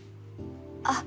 あっ。